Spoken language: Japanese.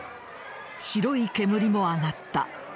白い煙も上がった。